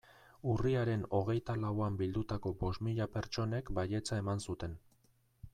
Urriaren hogeita lauan bildutako bost mila pertsonek baietza eman zuten.